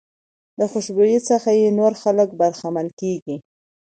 د خوشبويۍ څخه یې نور خلک برخمن کېږي.